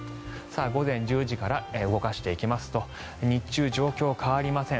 午前１０時から動かしていきますと日中、状況変わりません。